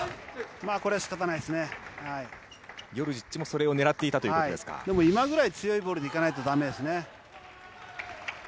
まあ、これはしかたないですヨルジッチもそれを狙っていでも、今ぐらい強いボールでいかないとだめですね。